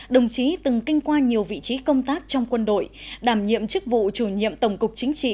đồng chí từng kinh qua nhiều vị trí công tác trong quân đội đảm nhiệm chức vụ chủ nhiệm tổng cục chính trị